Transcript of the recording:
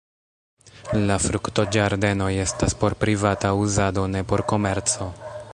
La fruktoĝardenoj estas por privata uzado; ne por komerco.